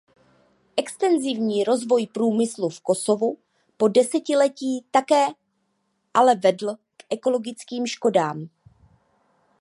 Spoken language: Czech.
Extenzivní rozvoj průmyslu v Kosovu po desetiletí také ale vedl k ekologickým škodám.